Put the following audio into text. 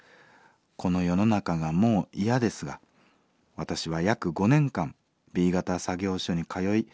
この世の中がもう嫌ですが私は約５年間Ｂ型作業所に通いお給料をもらっています。